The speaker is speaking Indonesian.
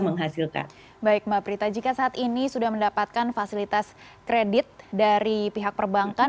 menghasilkan baik mbak prita jika saat ini sudah mendapatkan fasilitas kredit dari pihak perbankan